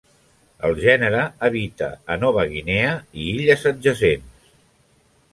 El gènere habita a Nova Guinea i illes adjacents.